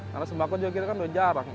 karena sembako juga kita kan udah jarang